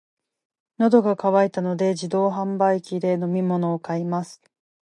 喉が渇いたので、自動販売機で飲み物を買います。